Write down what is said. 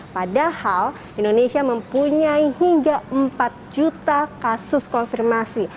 padahal indonesia mempunyai hingga empat juta kasus konfirmasi